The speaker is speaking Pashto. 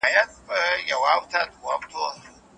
هغه وخت چې زده کړه مساوي وي، تبعیضي چلند نه پیاوړی کېږي.